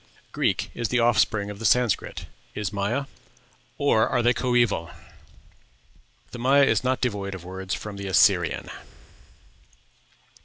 Greek is the offspring of the Sanscrit. Is Maya? or are they coeval?... The Maya is not devoid of words from the Assyrian."